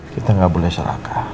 kita gak boleh seraka